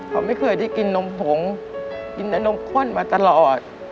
เขาไม่เคยได้กินนมผงกินแต่นมข้นมาตลอด